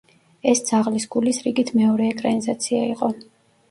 ეს „ძაღლის გულის“ რიგით მეორე ეკრანიზაცია იყო.